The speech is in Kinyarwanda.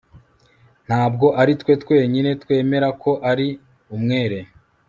ntabwo ari twe twenyine twemera ko ari umwere